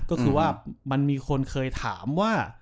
ก็คือว่ามันมีคนเคยถามว่า